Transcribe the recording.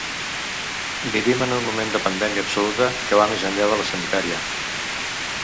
Vivim en un moment de pandèmia absoluta que va més enllà de la sanitària.